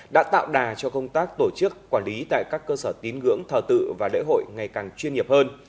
đã tạo đà cho công tác tổ chức quản lý tại các cơ sở tín ngưỡng thờ tự và lễ hội ngày càng chuyên nghiệp hơn